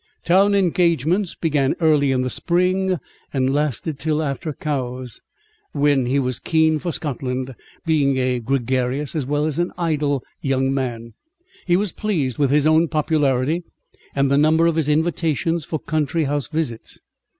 Town engagements began early in the spring, and lasted till after Cowes, when he was keen for Scotland. Being a gregarious as well as an idle young man, he was pleased with his own popularity, and the number of his invitations for country house visits.